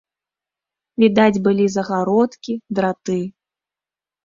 Відаць былі загародкі, драты.